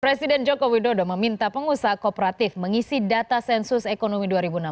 presiden joko widodo meminta pengusaha kooperatif mengisi data sensus ekonomi dua ribu enam belas